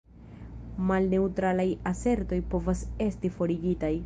Malneŭtralaj asertoj povas esti forigitaj.